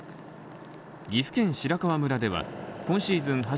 岐阜県白川村では今シーズン